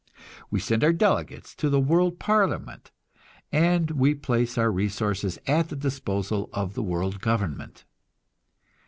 We send our delegates to the world parliament, and we place our resources at the disposal of the world government.